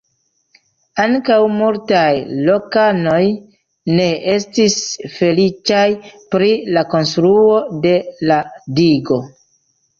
Ankaŭ multaj lokanoj ne estis feliĉaj pri la konstruo de la digo.